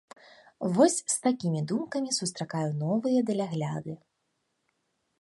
Вось з такімі думкамі сустракаю новыя далягляды.